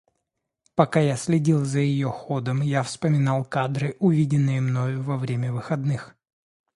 Пока я следил за ее ходом, я вспоминал кадры, увиденные мною во время выходных.